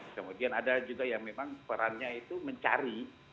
kemudian ada juga yang memang perannya itu mencari